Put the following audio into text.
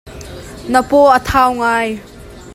Na paw a thau ngai.